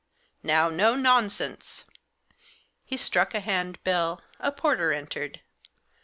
Now, no nonsense !" He struck a hand bell ; a porter entered.